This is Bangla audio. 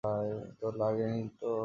তোর লাগেনি তো?